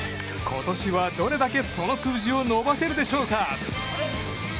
今年はどれだけその数字を伸ばせるでしょうか。